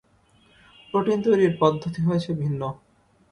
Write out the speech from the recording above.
Protein তৈরির পদ্ধতি হয়েছে ভিন্ন।